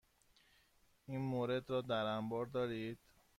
این مورد را در انبار دارید؟